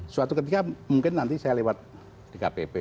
suatu ketika mungkin nanti saya lewat di kpp